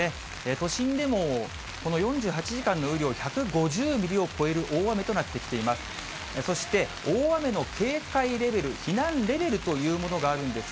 都心でもこの４８時間の雨量、１５０ミリを超える大雨となってきています。